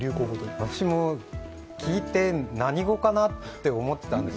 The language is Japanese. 私も、聞いて何語かなって思ってたんです。